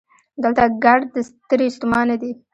دلته ګړد ستړي ستومانه دي